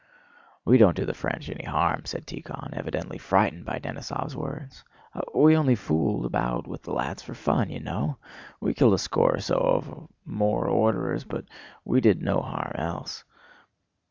"We don't do the French any harm," said Tíkhon, evidently frightened by Denísov's words. "We only fooled about with the lads for fun, you know! We killed a score or so of 'more orderers,' but we did no harm else...."